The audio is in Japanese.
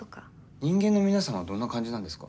人間の皆さんはどんな感じなんですか？